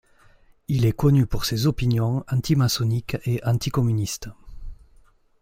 Il est connu pour ses opinions antimaçonniques et anticommunistes.